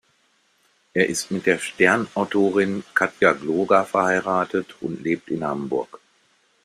Er ist mit der "Stern"-Autorin Katja Gloger verheiratet und lebt in Hamburg.